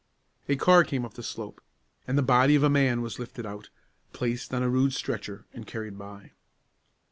A car came up the slope, and the body of a man was lifted out, placed on a rude stretcher, and carried by.